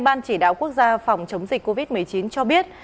ban chỉ đạo quốc gia phòng chống dịch covid một mươi chín cho biết